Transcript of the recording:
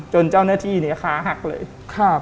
จนเจ้าหน้าที่เนี่ยขาหักเลยครับ